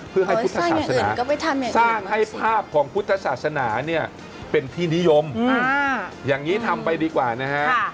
เพื่อให้พุทธศาสนาสร้างให้ภาพของพุทธศาสนาเนี่ยเป็นที่นิยมอย่างนี้ทำไปดีกว่านะฮะ